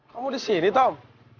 kamu disini tom